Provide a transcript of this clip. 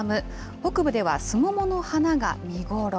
北部ではスモモの花が見頃。